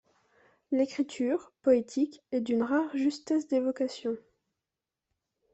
L'écriture, poétique, est d'une rare justesse d'évocation.